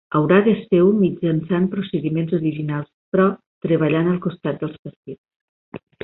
Haurà de ser-ho mitjançant procediments originals, però treballant al costat dels partits.